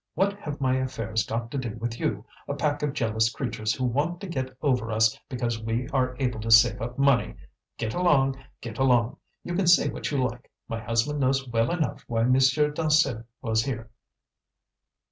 What have my affairs got to do with you, a pack of jealous creatures who want to get over us because we are able to save up money! Get along! get along! You can say what you like; my husband knows well enough why Monsieur Dansaert was here."